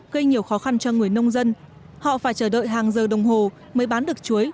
gây nhiều khó khăn cho người nông dân họ phải chờ đợi hàng giờ đồng hồ mới bán được chuối